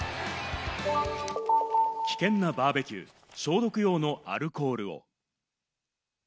危険なバーベキュー、消毒用のアルコールを。